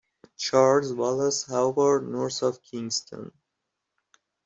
Charles Wallace Howard, north of Kingston.